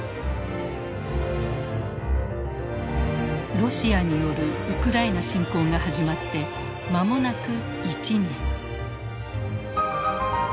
ロシアによるウクライナ侵攻が始まって間もなく１年。